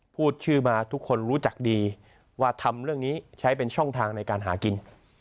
พูดชื่อมาทุกคนรู้จักดีว่าทำเรื่องนี้ใช้เป็นช่องทางในการหากิน